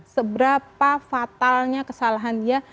seberapa fatalnya kesalahan dia